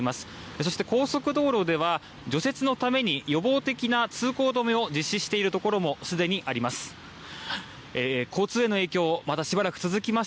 そして高速道路では、除雪のために予防的な通行止めを実施しているところもすでにあります。